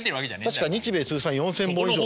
確か日米通算４，０００本以上。